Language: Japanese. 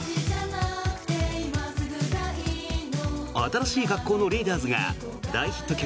新しい学校のリーダーズが大ヒット曲